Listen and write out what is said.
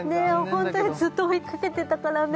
ホントにずっと追いかけてたからね